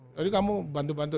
jadi kamu bantu bantu